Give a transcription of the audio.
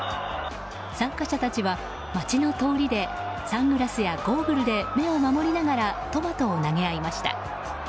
参加者たちは街の通りでサングラスやゴーグルで目を守りながらトマトを投げ合いました。